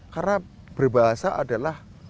karena berbahasa adalah